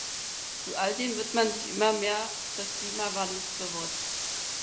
Zu all dem wird man sich immer mehr des Klimawandels bewusst.